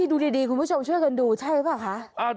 ดูดีคุณผู้ชมช่วยกันดูใช่เปล่าคะ